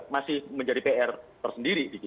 masih menjadi pr tersendiri